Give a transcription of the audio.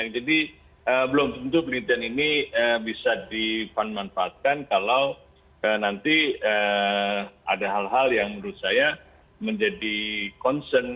jadi belum tentu penelitian ini bisa dipanmanfaatkan kalau nanti ada hal hal yang menurut saya menjadi concern